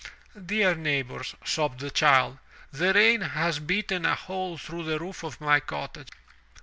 "Dear neighbors," sobbed the child, "the rain has beaten a hole through the roof of my cottage.